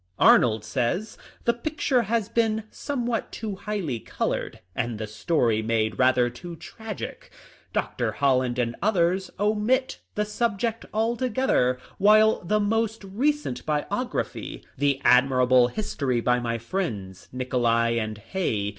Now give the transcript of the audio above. Arnold says :" The picture has been somewhat too highly colored, and the story made rather too tragic." Dr. Holland and others omit the subject altogether, while the most recent biography — the admirable history by my friends Nicolay and Hay.